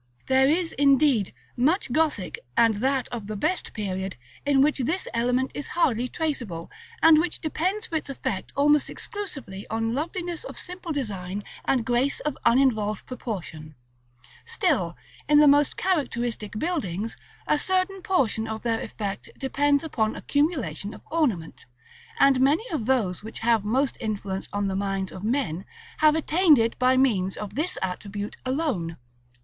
There is, indeed, much Gothic, and that of the best period, in which this element is hardly traceable, and which depends for its effect almost exclusively on loveliness of simple design and grace of uninvolved proportion: still, in the most characteristic buildings, a certain portion of their effect depends upon accumulation of ornament; and many of those which have most influence on the minds of men, have attained it by means of this attribute alone.